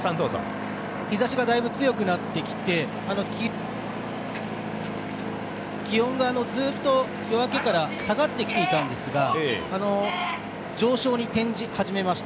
日差しが強くなってきて気温がずっと夜明けから下がってきていたんですが上昇に転じ始めました。